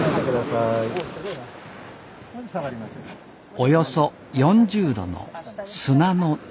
およそ４０度の砂の寝床。